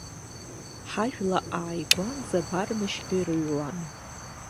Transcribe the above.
Ҳажәла ааигәанӡа Бармышь ҳәа ирыҩуан.